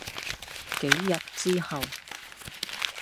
幾日之後